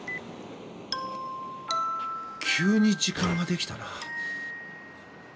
急に時間ができたな。